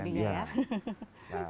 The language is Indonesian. pakil ketua umkm ya